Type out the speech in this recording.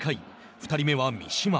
２人目は三嶋。